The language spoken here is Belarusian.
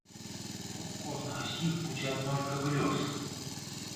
Няўжо ў кожнага з іх будзе аднолькавы лёс?